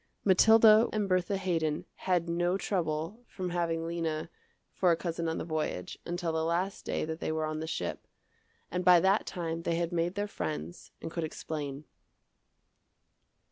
Mathilda and Bertha Haydon had no trouble from having Lena for a cousin on the voyage, until the last day that they were on the ship, and by that time they had made their friends and could explain.